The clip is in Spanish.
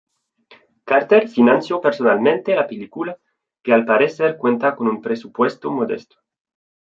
Carter financió personalmente la película, que al parecer cuenta con un presupuesto modesto.